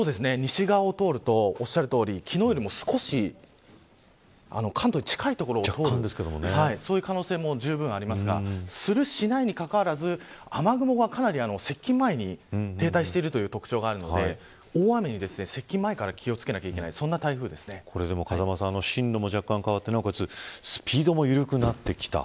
西側を通ると昨日よりも少し関東に近い所をそういう可能性もじゅうぶんありますからする、しないにかかわらず雨雲はかなり接近前に停滞しているという特徴があるので大雨に、接近前から気を付けなければいけない風間さん、進路も若干変わってスピードも緩くなってきた。